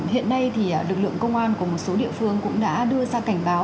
hiện nay thì lực lượng công an của một số địa phương cũng đã đưa ra cảnh báo